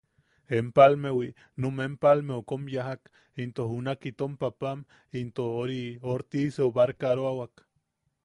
Empalmewi, num Empalmeu kom yajak, into junak itom paapam into... oriu... Ortiseu barkaroawak.